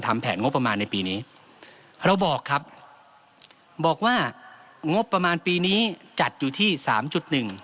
แผนงบประมาณในปีนี้เราบอกครับบอกว่างบประมาณปีนี้จัดอยู่ที่สามจุดหนึ่ง